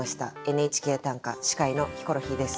「ＮＨＫ短歌」司会のヒコロヒーです。